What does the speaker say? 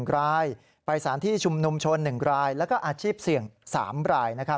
๑รายไปสถานที่ชุมนุมชน๑รายแล้วก็อาชีพเสี่ยง๓ราย